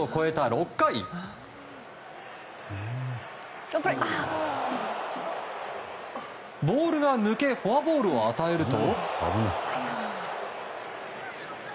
６回ボールが抜けフォアボールを与えると。